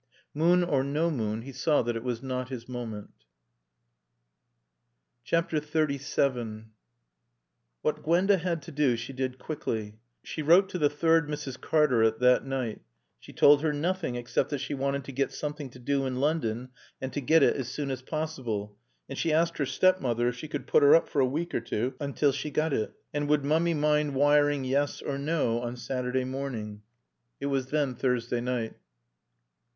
Moon or no moon he saw that it was not his moment. XXXVII What Gwenda had to do she did quickly. She wrote to the third Mrs. Cartaret that night. She told her nothing except that she wanted to get something to do in London and to get it as soon as possible, and she asked her stepmother if she could put her up for a week or two until she got it. And would Mummy mind wiring Yes or No on Saturday morning? It was then Thursday night.